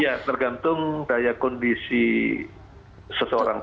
ya tergantung daya kondisi seseorang